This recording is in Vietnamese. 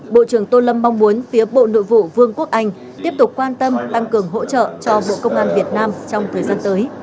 bộ trưởng tô lâm mong muốn phía bộ nội vụ vương quốc anh tiếp tục quan tâm tăng cường hỗ trợ cho bộ công an việt nam trong thời gian tới